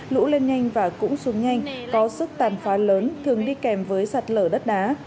lũ lên nhanh và cũng xuống nhanh có sức tàn phá lớn thường đi kèm với sạt lở đất đá